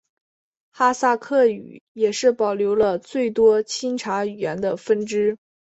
哈萨克语也是保留了最多钦察语言的分支。